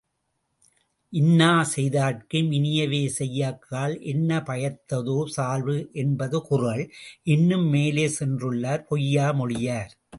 இன்னா செய்தார்க்கும் இனியவே செய்யாக்கால் என்ன பயத்ததோ சால்பு என்பது குறள், இன்னும் மேலே சென்றுள்ளார் பொய்யா மொழியார்.